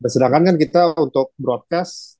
sedangkan kan kita untuk broadcast